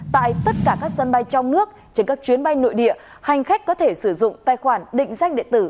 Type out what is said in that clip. tại tất cả các sân bay trong nước trên các chuyến bay nội địa hành khách có thể sử dụng tài khoản định danh điện tử